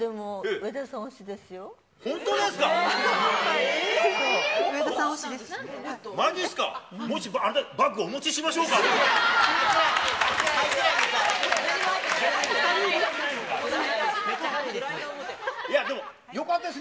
上田さん推しです。